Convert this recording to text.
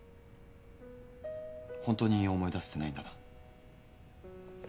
ホントに思い出せてないんだな？